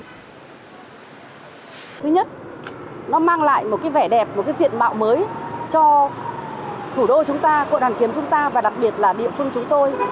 thứ nhất nó mang lại một cái vẻ đẹp một cái diện mạo mới cho thủ đô chúng ta quận hoàn kiếm chúng ta và đặc biệt là địa phương chúng tôi